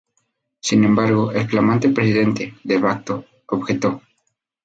Sin embargo, el flamante presidente "de facto" objetó.